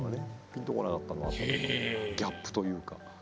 ピンと来なかったのはギャップというか。